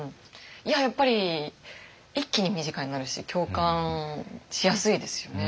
やっぱり一気に身近になるし共感しやすいですよね。